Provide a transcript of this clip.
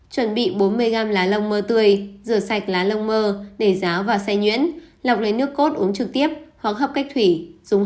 chuẩn bị bốn mươi g lá lông mơ tươi rửa sạch lá lông mơ để ráo và xay nhuyễn lọc lấy nước cốt uống trực tiếp khoáng hấp cách thủy dùng hai lần một ngày